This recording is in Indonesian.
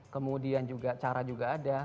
kemudian cara juga ada